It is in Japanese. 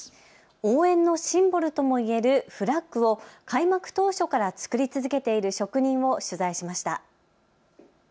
応援のシンボルともいえるフラッグを開幕当初から作り続けている職人を取材しました。